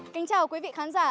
kính chào quý vị khán giả